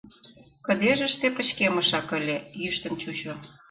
Кыдежыште пычкемышак ыле, йӱштын чучо.